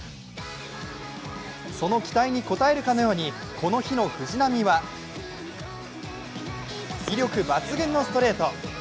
その期待に応えるかのように、この日の藤浪は威力抜群のストレート。